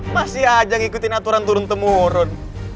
masih aja ngikutin aturan turun temurun